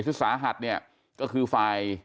ซึ่งสาหัสก็คือฝ่าย